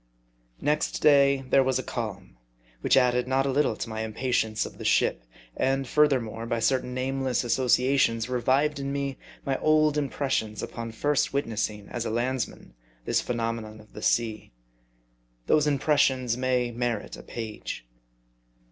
NEXT day there was a calm, which added not a little to my impatience of the ship. And, furthermore, by certain nameless associations revived in me my old impressions upon first witnessing as a landsman this phenomenon of the sea. Those impressions may merit a page.